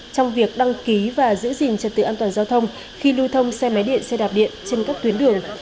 trong việc đăng ký và giữ gìn trật tự an toàn giao thông khi lưu thông xe máy điện xe đạp điện trên các tuyến đường